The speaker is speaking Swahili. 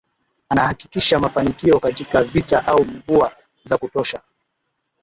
Anahakikisha mafanikio katika vita au mvua za kutosha